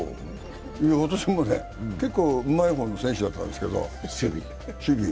私も結構うまい方の選手だったんですけど、守備。